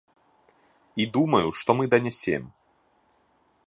І думаю, што мы данясем.